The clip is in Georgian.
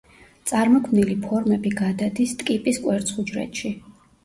წარმოქმნილი ფორმები გადადის ტკიპის კვერცხუჯრედში.